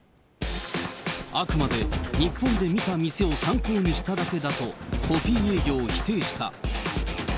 あくまで日本で見た店を参考にしただけだと、コピー営業を否定した。